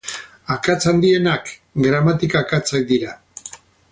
Akats handienak gramatika akatsak dira.